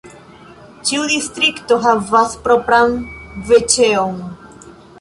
Ĉiu distrikto havas propran veĉeon.